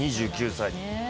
２９歳。